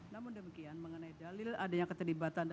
namun demikian mengenai dalil adanya keterlibatan